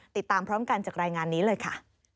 ติดตามพร้อมกันจากรายงานนี้เลยค่ะ